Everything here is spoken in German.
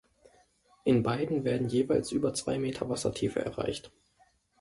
In beiden werden jeweils über zwei Meter Wassertiefe erreicht.